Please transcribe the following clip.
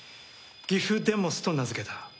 ギフデモスと名付けた。